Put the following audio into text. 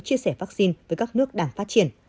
chia sẻ vaccine với các nước đang phát triển